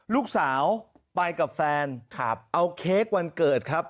ลูกสาวไปกับแฟนเอาเค้กวันเกิดครับ